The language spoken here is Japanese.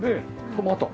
トマト。